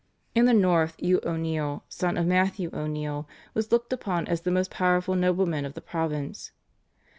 In the North Hugh O'Neill, son of Matthew O'Neill, was looked upon as the most powerful nobleman of the province.